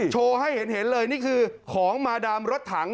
ให้เห็นเลยนี่คือของมาดามรถถัง